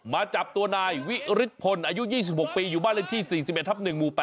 มาจับตัวนายวิฤทธพลอายุ๒๖ปีอยู่บ้านเลขที่๔๑ทับ๑หมู่๘